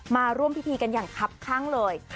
มาร่วมพิธีกันอย่างคับข้างเลย